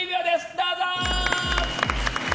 どうぞ！